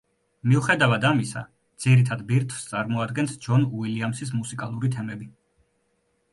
მიუხედავად ამისა, ძირითად ბირთვს წარმოადგენს ჯონ უილიამსის მუსიკალური თემები.